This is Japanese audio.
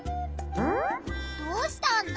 どうしたんだ？